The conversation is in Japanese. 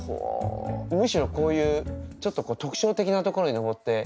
むしろこういうちょっと特徴的なところに登って。